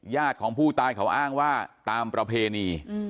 ญาติของผู้ตายเขาอ้างว่าตามประเพณี